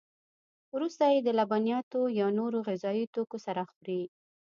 وروسته یې د لبنیاتو یا نورو غذایي توکو سره خوري.